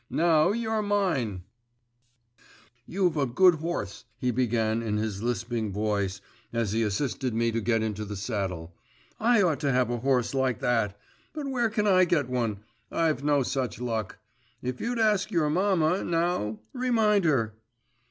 Now you're mine!' 'You've a good horse,' he began in his lisping voice, as he assisted me to get into the saddle; 'I ought to have a horse like that! But where can I get one? I've no such luck. If you'd ask your mamma, now remind her.